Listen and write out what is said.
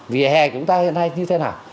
vỉa hè chúng ta hiện nay như thế nào